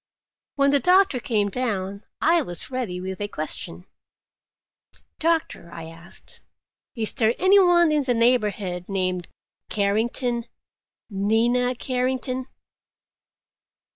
When the doctor came down, I was ready with a question. "Doctor," I asked, "is there any one in the neighborhood named Carrington? Nina Carrington?"